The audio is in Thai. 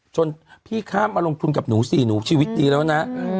จนพี่ข้ามมาลงทุนกับหนูสี่หนูชีวิตดีแล้วนะ